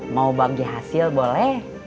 mau bagi hasil boleh